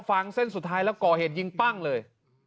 ฟังเส้นสุดท้ายแล้วก่อเหตุยิงปั้งเลย